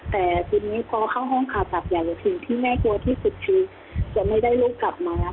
แต่ทีนี้พอเข้าห้องผ่าตัดใหญ่สิ่งที่แม่กลัวที่สุดคือจะไม่ได้ลูกกลับมา